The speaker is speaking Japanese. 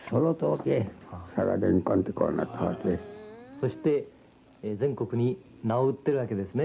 そして全国に名を売ってるわけですね。